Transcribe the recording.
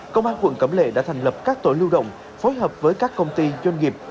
công an quận cẩm lệ đã thành lập các tổ lưu động phối hợp với các công ty doanh nghiệp